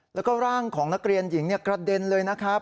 แล้วก็ร่างของนักเรียนหญิงกระเด็นเลยนะครับ